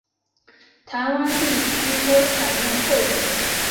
台湾地区多采用后者。